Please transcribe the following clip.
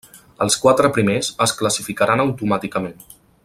Els quatre primers es classificaran automàticament.